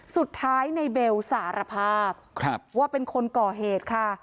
สุดท้ายในเบลสารภาพว่าเป็นคนก่อเหตุค่ะ